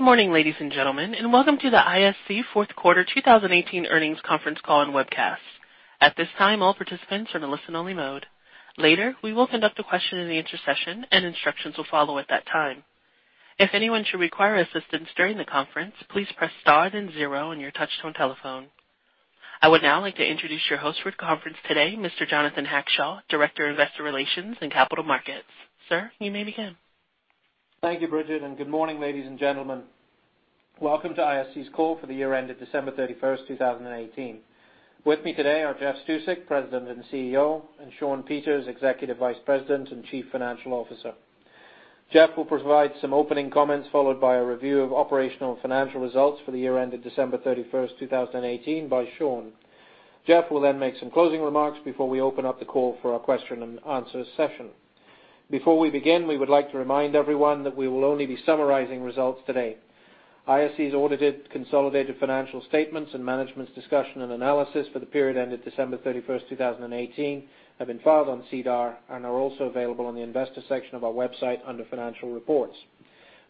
Good morning, ladies and gentlemen, and welcome to the ISC Q4 2018 Earnings Conference Call and Webcast. At this time, all participants are in listen only mode. Later, we will conduct a question and answer session and instructions will follow at that time. If anyone should require assistance during the conference, please press star then zero on your touchtone telephone. I would now like to introduce your host for the conference today, Mr. Jonathan Hackshaw, Director of Investor Relations and Capital Markets. Sir, you may begin. Thank you, Bridget. Good morning, ladies and gentlemen. Welcome to ISC's Call for the Year End December 31st, 2018. With me today are Jeff Stusek, President and CEO, and Shawn Peters, Executive Vice President and Chief Financial Officer. Jeff will provide some opening comments, followed by a review of operational and financial results for the year ended December 31st, 2018 by Sean. Jeff will make some closing remarks before we open up the call for our question and answer session. Before we begin, we would like to remind everyone that we will only be summarizing results today. ISC's audited consolidated financial statements and management's discussion and analysis for the period ended December 31st, 2018 have been filed on SEDAR+ and are also available on the investor section of our website under financial reports.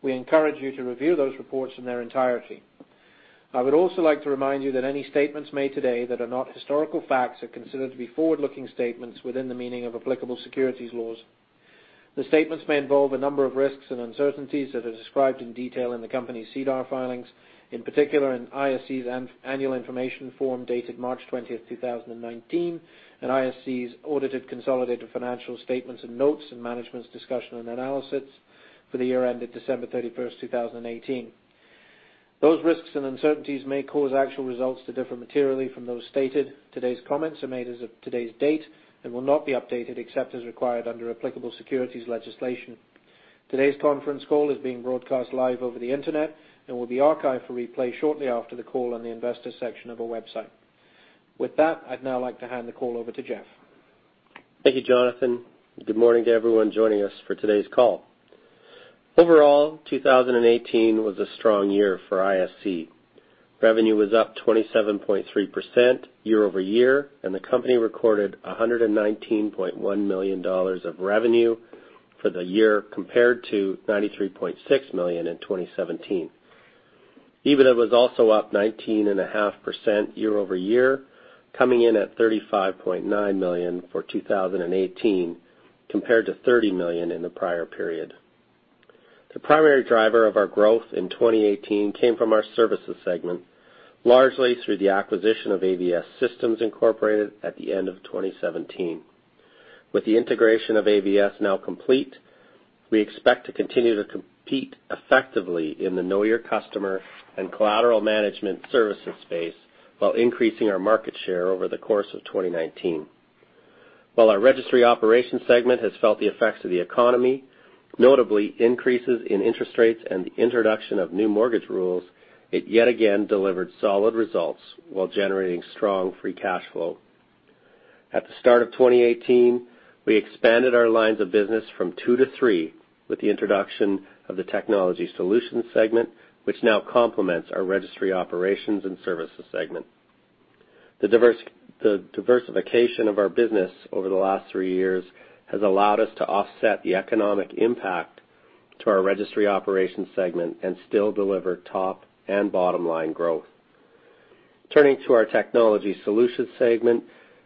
We encourage you to review those reports in their entirety. I would also like to remind you that any statements made today that are not historical facts are considered to be forward-looking statements within the meaning of applicable securities laws. The statements may involve a number of risks and uncertainties that are described in detail in the company's SEDAR+ filings. In particular, in ISC's annual information form dated March 20th, 2019, and ISC's audited consolidated financial statements and notes and management's discussion and analysis for the year ended December 31st, 2018. Those risks and uncertainties may cause actual results to differ materially from those stated. Today's comments are made as of today's date and will not be updated except as required under applicable securities legislation. Today's conference call is being broadcast live over the internet and will be archived for replay shortly after the call on the investor section of our website. With that, I'd now like to hand the call over to Jeff. Thank you, Jonathan. Good morning to everyone joining us for today's call. Overall, 2018 was a strong year for ISC. Revenue was up 27.3% year-over-year, the company recorded 119.1 million dollars of revenue for the year compared to 93.6 million in 2017. EBITDA was also up 19.5% year-over-year, coming in at 35.9 million for 2018 compared to 30 million in the prior period. The primary driver of our growth in 2018 came from our services segment, largely through the acquisition of AVS Systems Inc. at the end of 2017. With the integration of AVS now complete, we expect to continue to compete effectively in the know your customer and collateral management services space while increasing our market share over the course of 2019. While our registry operations segment has felt the effects of the economy, notably increases in interest rates and the introduction of new mortgage rules, it yet again delivered solid results while generating strong free cash flow. At the start of 2018, we expanded our lines of business from two to three with the introduction of the technology solutions segment, which now complements our registry operations and services segment. The diversification of our business over the last three years has allowed us to offset the economic impact to our registry operations segment and still deliver top and bottom-line growth. Turning to our technology solutions segment,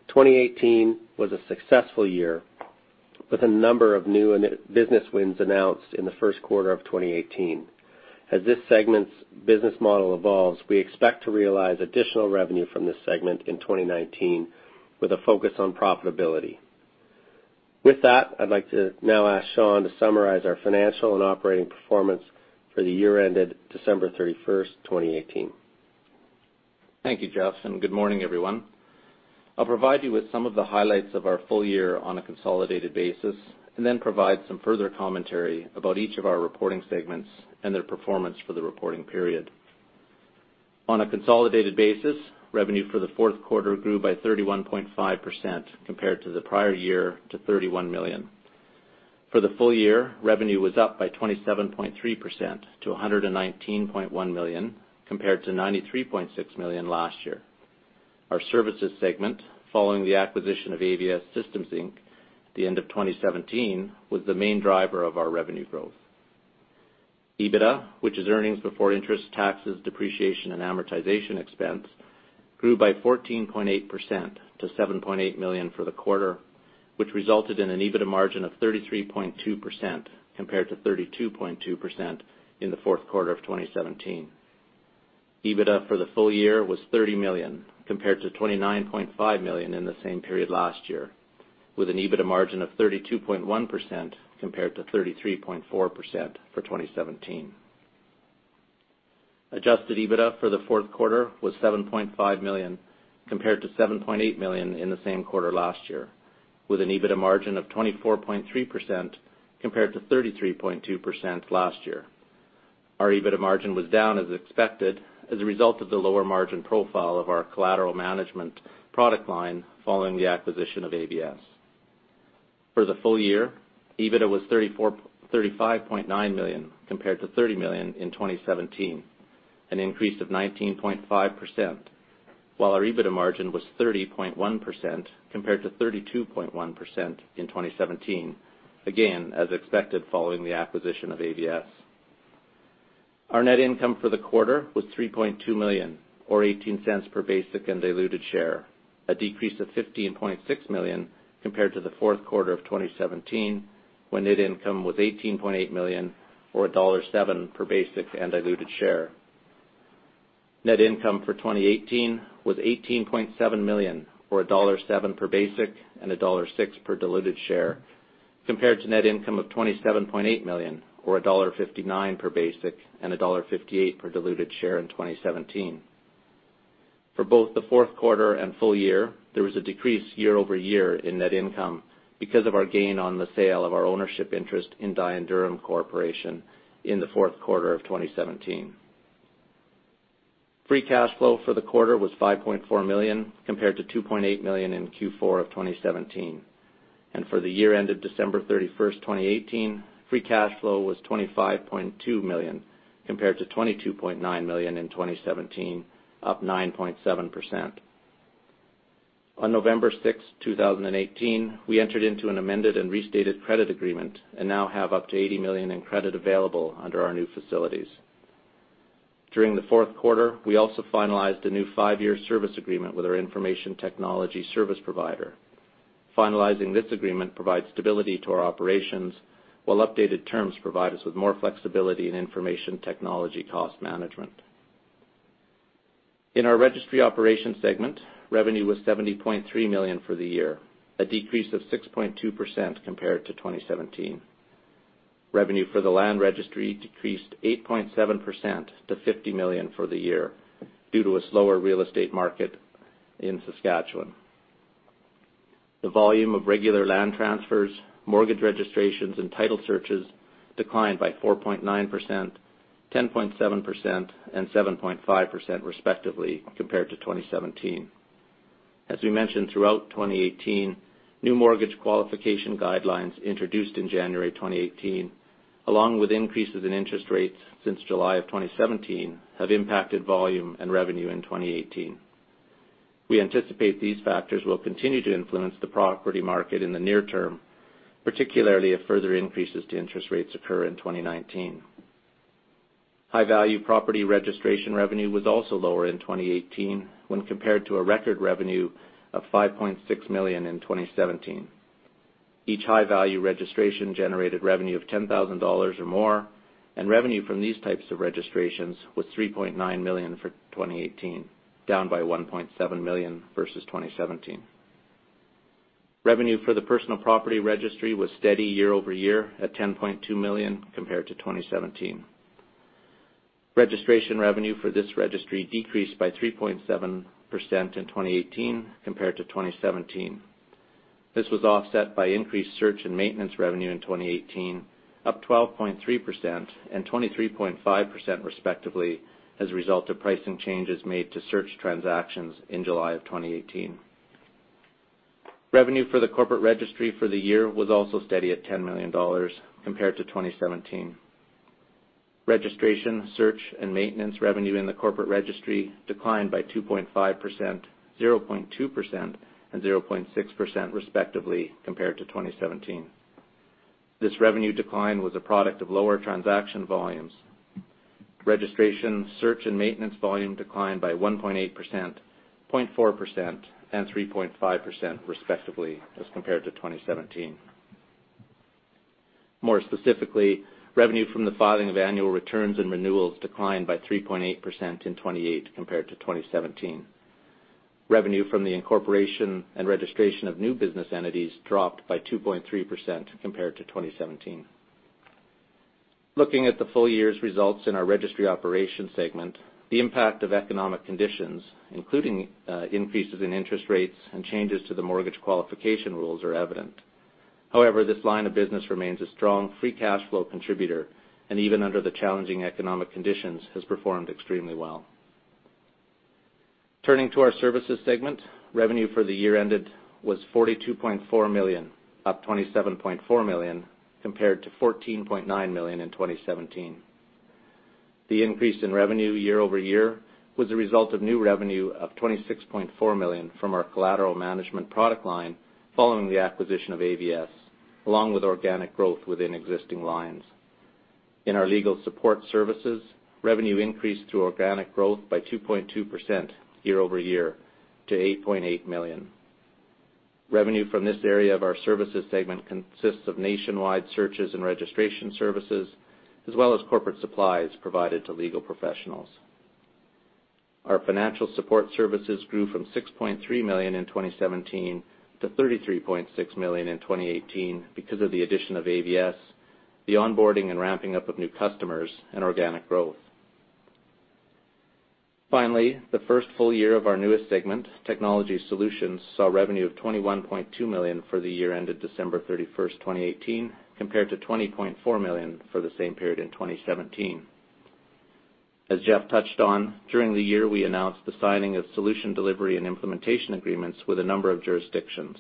2018 was a successful year with a number of new business wins announced in the first quarter of 2018. As this segment's business model evolves, we expect to realize additional revenue from this segment in 2019 with a focus on profitability. With that, I'd like to now ask Shawn to summarize our financial and operating performance for the year ended December 31st, 2018. Thank you, Jeff. Good morning, everyone. I'll provide you with some of the highlights of our full year on a consolidated basis, then provide some further commentary about each of our reporting segments and their performance for the reporting period. On a consolidated basis, revenue for the Q4 grew by 31.5% compared to the prior year to 31 million. For the full year, revenue was up by 27.3% to 119.1 million, compared to 93.6 million last year. Our services segment, following the acquisition of AVS Systems Inc. at the end of 2017, was the main driver of our revenue growth. EBITDA, which is earnings before interest, taxes, depreciation, and amortization expense, grew by 14.8% to 7.8 million for the quarter, which resulted in an EBITDA margin of 33.2%, compared to 32.2% in the Q4 of 2017. EBITDA for the full year was 30 million, compared to 29.5 million in the same period last year, with an EBITDA margin of 32.1% compared to 33.4% for 2017. Adjusted EBITDA for the Q4 was 7.5 million, compared to 7.8 million in the same quarter last year, with an EBITDA margin of 24.3% compared to 33.2% last year. Our EBITDA margin was down as expected, as a result of the lower margin profile of our collateral management product line following the acquisition of AVS. For the full year, EBITDA was 35.9 million compared to 30 million in 2017, an increase of 19.5%. While our EBITDA margin was 30.1% compared to 32.1% in 2017, again, as expected following the acquisition of AVS. Our net income for the quarter was 3.2 million, or 0.18 per basic and diluted share, a decrease of 15.6 million compared to the Q4 of 2017, when net income was 18.8 million, or CAD 1.70 per basic and diluted share. Net income for 2018 was 18.7 million, or CAD 1.70 per basic and CAD 1.60 per diluted share, compared to net income of 27.8 million, or dollar 1.59 per basic and dollar 1.58 per diluted share in 2017. For both the Q4 and full year, there was a decrease year-over-year in net income because of our gain on the sale of our ownership interest in Dye & Durham Corporation in the Q4 of 2017. Free cash flow for the quarter was 5.4 million, compared to 2.8 million in Q4 of 2017. For the year ended December 31st, 2018, free cash flow was 25.2 million, compared to 22.9 million in 2017, up 9.7%. On November 6, 2018, we entered into an amended and restated credit agreement and now have up to 80 million in credit available under our new facilities. During the Q4, we also finalized a new five-year service agreement with our information technology service provider. Finalizing this agreement provides stability to our operations, while updated terms provide us with more flexibility in information technology cost management. In our registry operations segment, revenue was 70.3 million for the year, a decrease of 6.2% compared to 2017. Revenue for the land registry decreased 8.7% to 50 million for the year due to a slower real estate market in Saskatchewan. The volume of regular land transfers, mortgage registrations, and title searches declined by 4.9%, 10.7%, and 7.5%, respectively, compared to 2017. As we mentioned throughout 2018, new mortgage qualification guidelines introduced in January 2018, along with increases in interest rates since July of 2017, have impacted volume and revenue in 2018. We anticipate these factors will continue to influence the property market in the near term, particularly if further increases to interest rates occur in 2019. High-value property registration revenue was also lower in 2018 when compared to a record revenue of 5.6 million in 2017. Each high-value registration generated revenue of 10,000 dollars or more. Revenue from these types of registrations was 3.9 million for 2018, down by 1.7 million versus 2017. Revenue for the personal property registry was steady year-over-year at 10.2 million compared to 2017. Registration revenue for this registry decreased by 3.7% in 2018 compared to 2017. This was offset by increased search and maintenance revenue in 2018, up 12.3% and 23.5%, respectively, as a result of pricing changes made to search transactions in July of 2018. Revenue for the corporate registry for the year was also steady at 10 million dollars compared to 2017. Registration, search, and maintenance revenue in the corporate registry declined by 2.5%, 0.2%, and 0.6%, respectively, compared to 2017. This revenue decline was a product of lower transaction volumes. Registration, search, and maintenance volume declined by 1.8%, 0.4%, and 3.5%, respectively, as compared to 2017. More specifically, revenue from the filing of annual returns and renewals declined by 3.8% in 2018 compared to 2017. Revenue from the incorporation and registration of new business entities dropped by 2.3% compared to 2017. Looking at the full year's results in our registry operations segment, the impact of economic conditions, including increases in interest rates and changes to the mortgage qualification rules, are evident. However, this line of business remains a strong free cash flow contributor, and even under the challenging economic conditions, has performed extremely well. Turning to our services segment, revenue for the year ended was CAD 42.4 million, up CAD 27.4 million, compared to CAD 14.9 million in 2017. The increase in revenue year-over-year was a result of new revenue of 26.4 million from our collateral management product line following the acquisition of AVS, along with organic growth within existing lines. In our legal support services, revenue increased through organic growth by 2.2% year-over-year to 8.8 million. Revenue from this area of our services segment consists of nationwide searches and registration services, as well as corporate supplies provided to legal professionals. Our financial support services grew from 6.3 million in 2017 to 33.6 million in 2018 because of the addition of AVS, the onboarding and ramping up of new customers, and organic growth. Finally, the first full year of our newest segment, Technology Solutions, saw revenue of 21.2 million for the year ended December 31st, 2018, compared to 20.4 million for the same period in 2017. As Jeff touched on, during the year, we announced the signing of solution delivery and implementation agreements with a number of jurisdictions.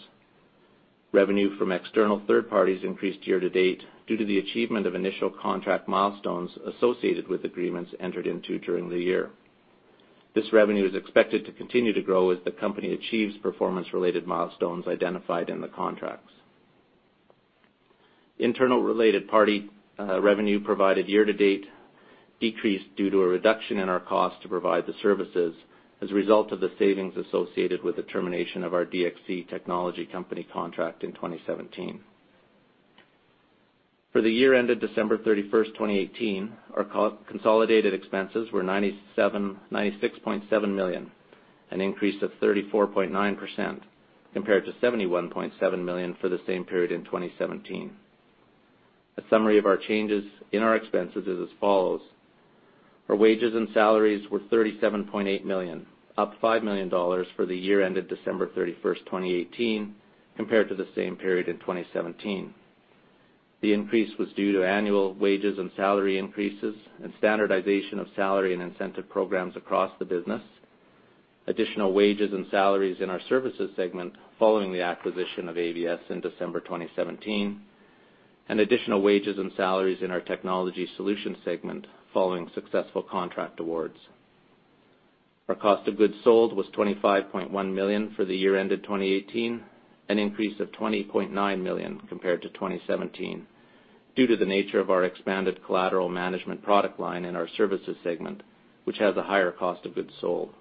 Revenue from external third parties increased year-to-date due to the achievement of initial contract milestones associated with agreements entered into during the year. This revenue is expected to continue to grow as the company achieves performance-related milestones identified in the contracts. Internal related party revenue provided year-to-date decreased due to a reduction in our cost to provide the services as a result of the savings associated with the termination of our DXC Technology company contract in 2017. For the year ended December 31st, 2018, our consolidated expenses were 96.7 million, an increase of 34.9%, compared to 71.7 million for the same period in 2017. A summary of our changes in our expenses is as follows. Our wages and salaries were 37.8 million, up 5 million dollars for the year ended December 31st, 2018, compared to the same period in 2017. The increase was due to annual wages and salary increases and standardization of salary and incentive programs across the business, additional wages and salaries in our services segment following the acquisition of AVS in December 2017, and additional wages and salaries in our technology solution segment following successful contract awards. Our cost of goods sold was 25.1 million for the year ended 2018, an increase of 20.9 million compared to 2017, due to the nature of our expanded collateral management product line in our services segment, which has a higher cost of goods sold.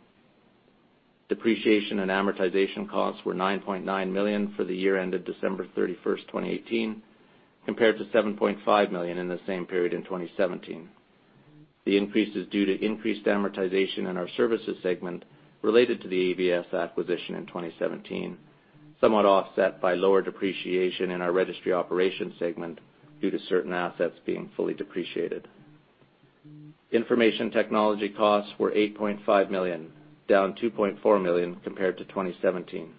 Depreciation and amortization costs were 9.9 million for the year ended December 31st, 2018, compared to 7.5 million in the same period in 2017. The increase is due to increased amortization in our services segment related to the AVS acquisition in 2017, somewhat offset by lower depreciation in our registry operations segment due to certain assets being fully depreciated. Information technology costs were 8.5 million, down 2.4 million compared to 2017.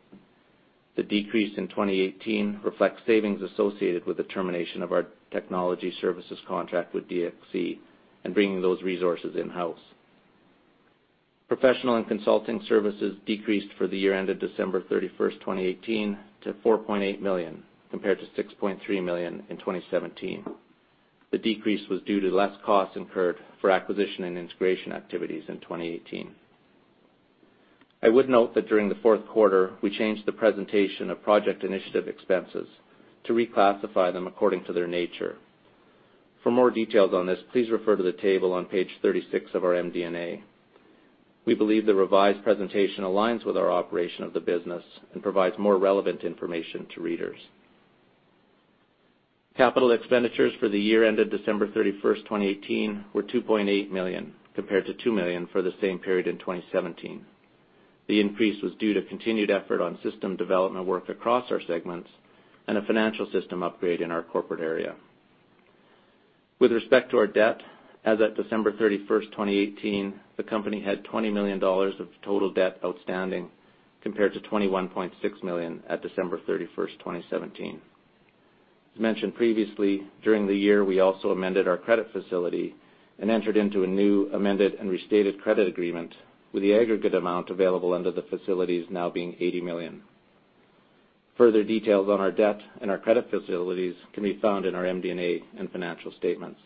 The decrease in 2018 reflects savings associated with the termination of our technology services contract with DXC and bringing those resources in-house. Professional and consulting services decreased for the year ended December 31st, 2018, to 4.8 million, compared to 6.3 million in 2017. The decrease was due to less costs incurred for acquisition and integration activities in 2018. I would note that during the Q4, we changed the presentation of project initiative expenses to reclassify them according to their nature. For more details on this, please refer to the table on page 36 of our MD&A. We believe the revised presentation aligns with our operation of the business and provides more relevant information to readers. Capital expenditures for the year ended December 31st, 2018, were 2.8 million, compared to 2 million for the same period in 2017. The increase was due to continued effort on system development work across our segments and a financial system upgrade in our corporate area. With respect to our debt, as at December 31st, 2018, the company had 20 million dollars of total debt outstanding compared to 21.6 million at December 31st, 2017. As mentioned previously, during the year, we also amended our credit facility and entered into a new amended and restated credit agreement with the aggregate amount available under the facilities now being 80 million. Further details on our debt and our credit facilities can be found in our MD&A and financial statements.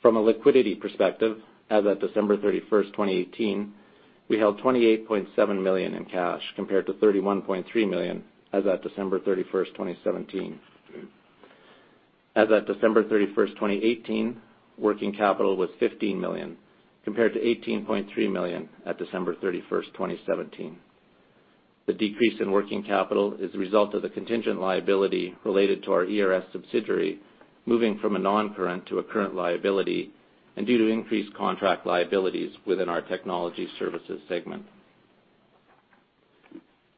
From a liquidity perspective, as at December 31st, 2018, we held 28.7 million in cash compared to 31.3 million as at December 31st, 2017. As at December 31st, 2018, working capital was 15 million compared to 18.3 million at December 31st, 2017. The decrease in working capital is a result of the contingent liability related to our ERS subsidiary moving from a non-current to a current liability and due to increased contract liabilities within our technology services segment.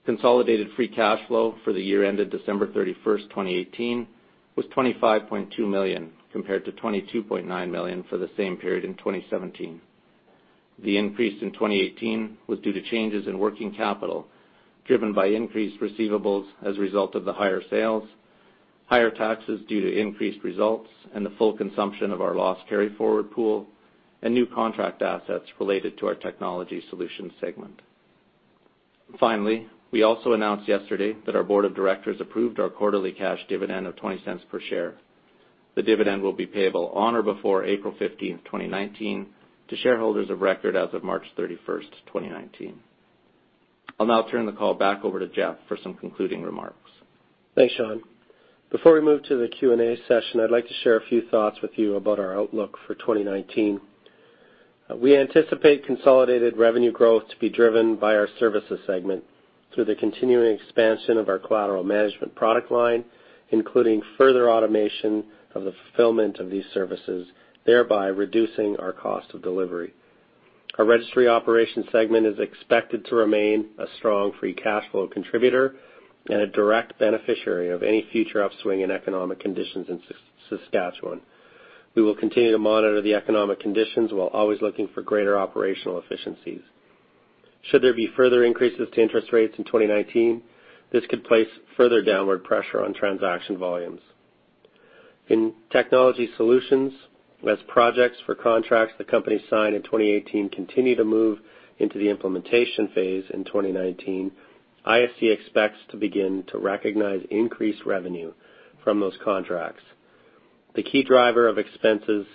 Consolidated free cash flow for the year ended December 31st, 2018, was 25.2 million compared to 22.9 million for the same period in 2017. The increase in 2018 was due to changes in working capital driven by increased receivables as a result of the higher sales, higher taxes due to increased results and the full consumption of our loss carryforward pool, and new contract assets related to our technology solutions segment. Finally, we also announced yesterday that our board of directors approved our quarterly cash dividend of 0.20 per share. The dividend will be payable on or before April 15th, 2019, to shareholders of record as of March 31st, 2019. I'll now turn the call back over to Jeff for some concluding remarks. Thanks, Shawn. Before we move to the Q&A session, I'd like to share a few thoughts with you about our outlook for 2019. We anticipate consolidated revenue growth to be driven by our services segment through the continuing expansion of our collateral management product line, including further automation of the fulfillment of these services, thereby reducing our cost of delivery. Our registry operations segment is expected to remain a strong free cash flow contributor and a direct beneficiary of any future upswing in economic conditions in Saskatchewan. We will continue to monitor the economic conditions while always looking for greater operational efficiencies. Should there be further increases to interest rates in 2019, this could place further downward pressure on transaction volumes. In technology solutions, as projects for contracts the company signed in 2018 continue to move into the implementation phase in 2019, ISC expects to begin to recognize increased revenue from those contracts. The key driver of expenses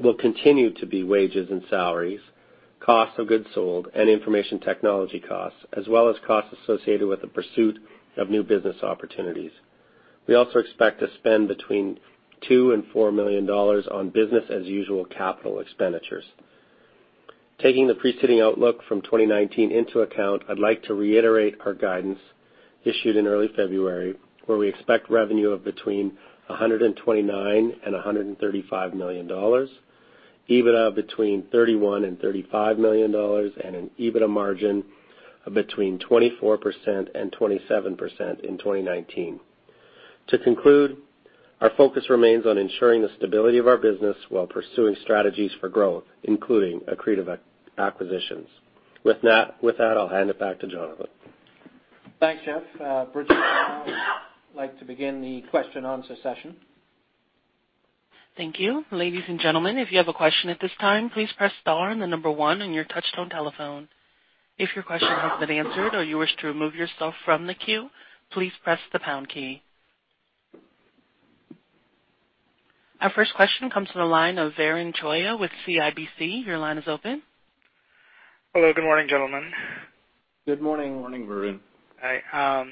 will continue to be wages and salaries, cost of goods sold, and information technology costs, as well as costs associated with the pursuit of new business opportunities. We also expect to spend between 2 million and 4 million dollars on business as usual capital expenditures. Taking the preceding outlook from 2019 into account, I'd like to reiterate our guidance issued in early February, where we expect revenue of between 129 million and 135 million dollars, EBITDA between 31 million and 35 million dollars, and an EBITDA margin of between 24% and 27% in 2019. To conclude, our focus remains on ensuring the stability of our business while pursuing strategies for growth, including accretive acquisitions. With that, I'll hand it back to Jonathan. Thanks, Jeff. Bridget, I'd now like to begin the question answer session. Thank you. Ladies and gentlemen, if you have a question at this time, please press star and the number one on your touchtone telephone. If your question has been answered or you wish to remove yourself from the queue, please press the pound key. Our first question comes from the line of Varun Choyah with CIBC. Your line is open. Hello. Good morning, gentlemen. Good morning. Good morning, Varun. Hi.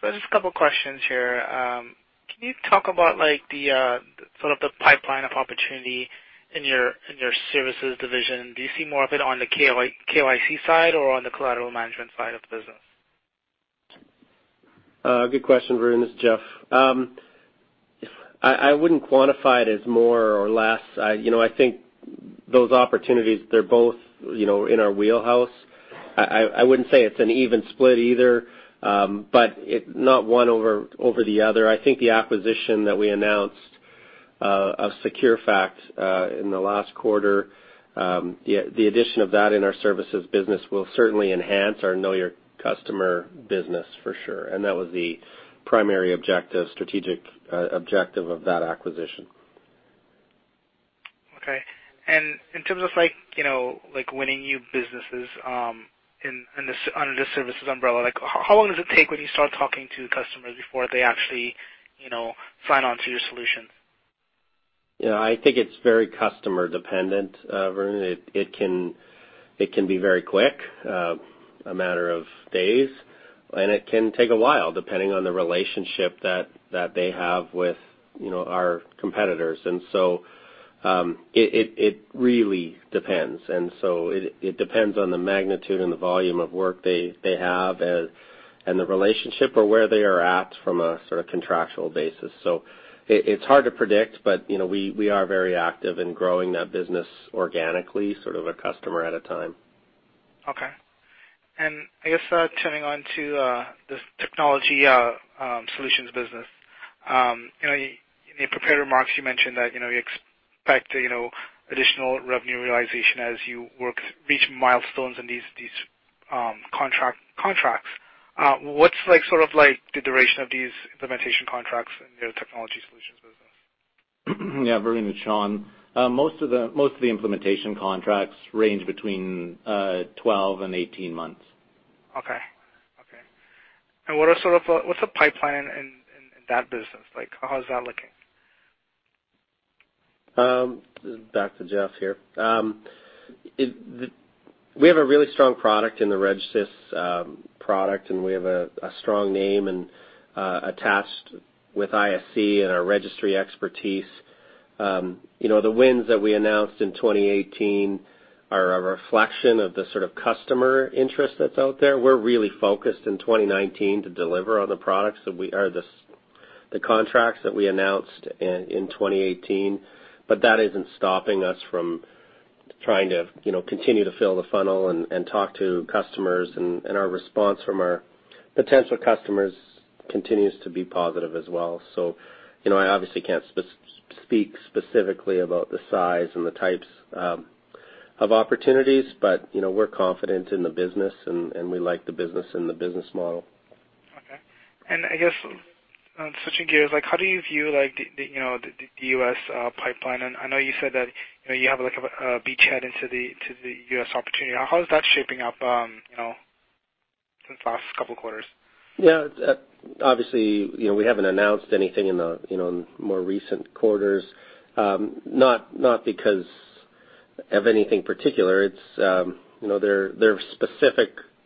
Just a couple of questions here. Can you talk about the pipeline of opportunity in your services division? Do you see more of it on the KYC side or on the collateral management side of the business? Good question, Varun. This is Jeff. I wouldn't quantify it as more or less. I think those opportunities, they're both in our wheelhouse. I wouldn't say it's an even split either. Not one over the other. I think the acquisition that we announced of Securefact in the last quarter, the addition of that in our services business will certainly enhance our know your customer business for sure. That was the primary strategic objective of that acquisition. Okay. In terms of winning new businesses under the services umbrella, how long does it take when you start talking to customers before they actually sign on to your solution? I think it's very customer dependent, Varun. It can be very quick, a matter of days, and it can take a while depending on the relationship that they have with our competitors. It really depends. It depends on the magnitude and the volume of work they have and the relationship or where they are at from a contractual basis. It's hard to predict, but we are very active in growing that business organically, a customer at a time. Okay. I guess turning on to the Technology Solutions business. In your prepared remarks, you mentioned that you expect additional revenue realization as you reach milestones in these contracts. What's the duration of these implementation contracts in your Technology Solutions business? Yeah, Varun, it's Shawn. Most of the implementation contracts range between 12 and 18 months. Okay. What's the pipeline in that business? How is that looking? Back to Jeff here. We have a really strong product in the RegSys product, and we have a strong name attached with ISC and our registry expertise. The wins that we announced in 2018 are a reflection of the customer interest that's out there. We're really focused in 2019 to deliver on the contracts that we announced in 2018. That isn't stopping us from trying to continue to fill the funnel and talk to customers, and our response from our potential customers continues to be positive as well. I obviously can't speak specifically about the size and the types of opportunities, but we're confident in the business, and we like the business and the business model. Okay. I guess, switching gears, how do you view the U.S. pipeline? I know you said that you have a beachhead into the U.S. opportunity. How is that shaping up since the last couple of quarters? Yeah. Obviously, we haven't announced anything in the more recent quarters. Not because of anything particular.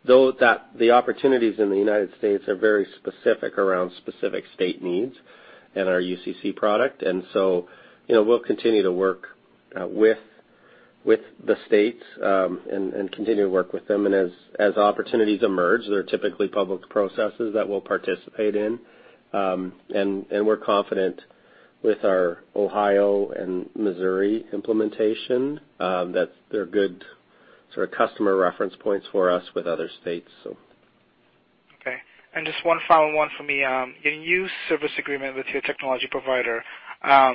The opportunities in the United States are very specific around specific state needs and our UCC product. We'll continue to work with the states and continue to work with them. As opportunities emerge, they're typically public processes that we'll participate in. We're confident with our Ohio and Missouri implementation that they're good customer reference points for us with other states. Okay. Just one final one for me. Your new service agreement with your technology provider. How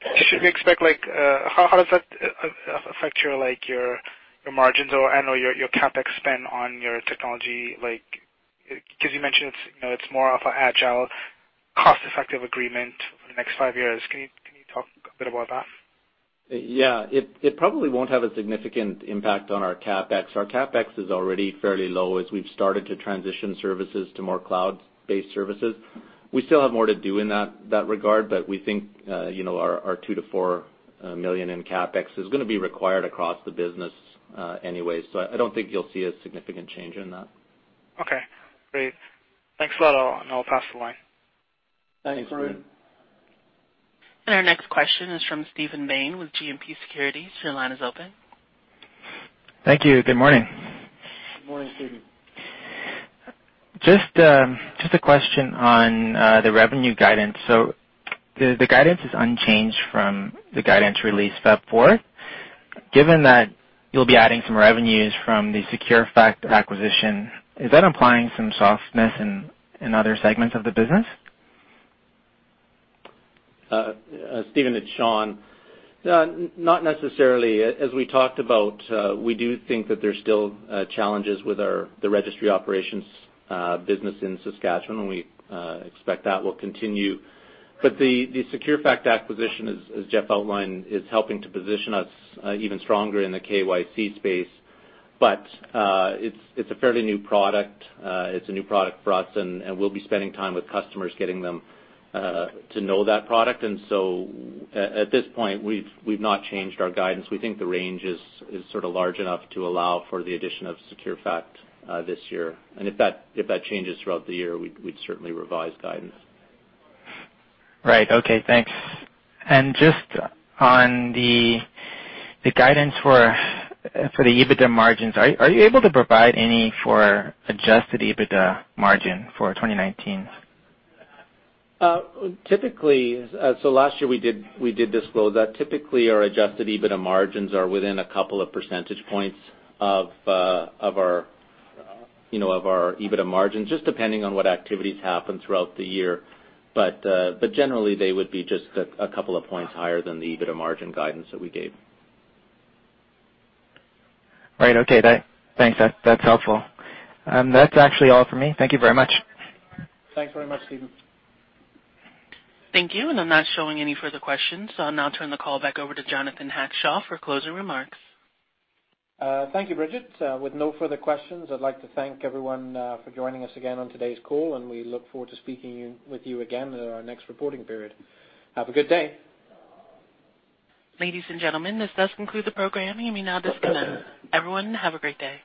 does that affect your margins or annual your CapEx spend on your technology? Because you mentioned it's more of an agile, cost-effective agreement for the next five years. Can you talk a bit about that? Yeah. It probably won't have a significant impact on our CapEx. Our CapEx is already fairly low as we've started to transition services to more cloud-based services. We still have more to do in that regard, but we think our 2 million-4 million in CapEx is going to be required across the business anyway. I don't think you'll see a significant change in that. Okay, great. Thanks a lot. I'll pass the line. Thanks, Varun. Our next question is from Steven Bain with GMP Securities. Your line is open. Thank you. Good morning. Good morning, Steven. Just a question on the revenue guidance. The guidance is unchanged from the guidance released February fourth. Given that you'll be adding some revenues from the Securefact acquisition, is that implying some softness in other segments of the business? Steven, it's Shawn. Not necessarily. As we talked about, we do think that there's still challenges with the registry operations business in Saskatchewan, and we expect that will continue. The Securefact acquisition, as Jeff outlined, is helping to position us even stronger in the KYC space. It's a fairly new product. It's a new product for us, and we'll be spending time with customers getting them to know that product. At this point, we've not changed our guidance. We think the range is sort of large enough to allow for the addition of Securefact this year. If that changes throughout the year, we'd certainly revise guidance. Right. Okay, thanks. Just on the guidance for the EBITDA margins, are you able to provide any for adjusted EBITDA margin for 2019? Typically, last year we did disclose that typically our adjusted EBITDA margins are within a couple of percentage points of our EBITDA margins, just depending on what activities happen throughout the year. Generally, they would be just a couple of points higher than the EBITDA margin guidance that we gave. Right. Okay. Thanks. That's helpful. That's actually all for me. Thank you very much. Thanks very much, Steven. Thank you. I'm not showing any further questions. I'll now turn the call back over to Jonathan Hackshaw for closing remarks. Thank you, Bridget. With no further questions, I'd like to thank everyone for joining us again on today's call. We look forward to speaking with you again in our next reporting period. Have a good day. Ladies and gentlemen, this does conclude the program. You may now disconnect. Everyone, have a great day.